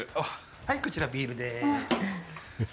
はい、こちらビールです。